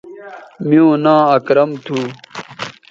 میوں ناں اکرم تھو